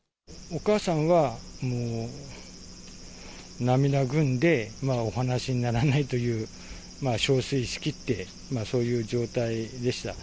お母さんはもう、涙ぐんで、お話しにならないという、しょうすいしきって、そういう状態でした。